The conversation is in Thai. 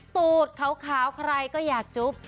ตูดขาวใครก็อยากจุ๊บ